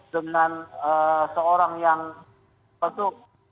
dengan seorang yang betul